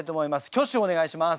挙手をお願いします。